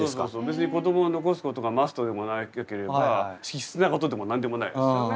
別に子どもを残すことがマストでもなければ必須なことでも何でもないですよね。